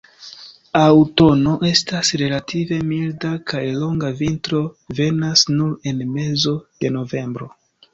Aŭtuno estas relative milda kaj longa, vintro venas nur en mezo de novembro.